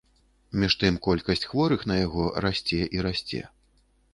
Між тым колькасць хворых на яго расце і расце.